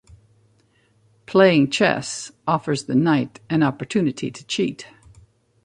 Playing chess offers the knight an opportunity to cheat.